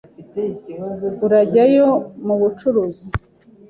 Urajyayo mubucuruzi?